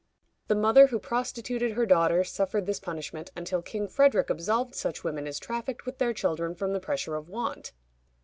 The mother who prostituted her daughter suffered this punishment until King Frederick absolved such women as trafficked with their children from the pressure of want.